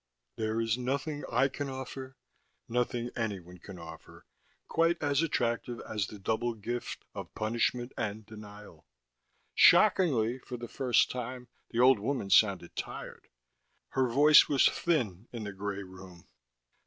There is nothing I can offer, nothing anyone can offer, quite as attractive as the double gift of punishment and denial." Shockingly, for the first time, the old woman sounded tired. Her voice was thin in the gray room.